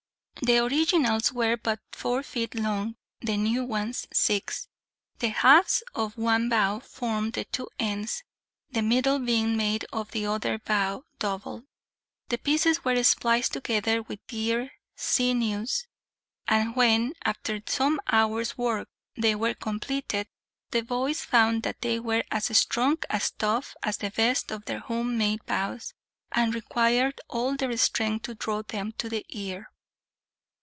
The originals were but four feet long, the new ones six. The halves of one bow formed the two ends, the middle being made of the other bow, doubled. The pieces were spliced together with deer sinews; and when, after some hours' work, they were completed, the boys found that they were as strong and tough as the best of their home made bows, and required all their strength to draw them to the ear.